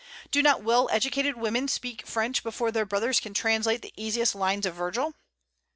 Do not well educated women speak French before their brothers can translate the easiest lines of Virgil?